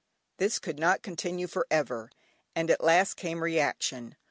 This could not continue for ever, and at last came reaction.